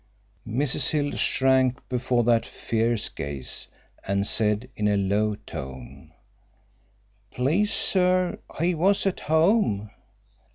Mrs. Hill shrank before that fierce gaze, and said, in a low tone: "Please, sir, he was at home."